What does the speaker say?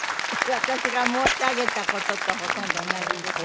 私が申し上げたこととほとんど同じですね